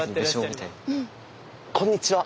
おこんにちは！